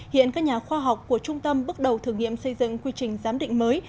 hiện các nhà khoa học của trung tâm bước đầu thử nghiệm xây dựng quy trình giám định mới